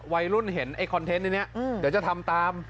วัยรุ่นเห็นไอ้คอนเทนต์นี้เดี๋ยวจะทำตาม